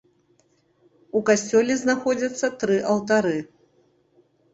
У касцёле знаходзяцца тры алтары.